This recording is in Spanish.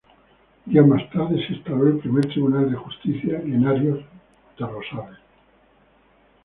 Días más tarde se instaló el Primer Tribunal de Justicia, en Ario de Rosales.